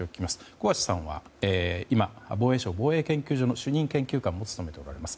小橋さんは今防衛省防衛研究所の主任研究官を務められております。